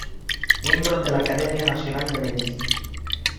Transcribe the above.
Miembro de la Academia Nacional de Medicina.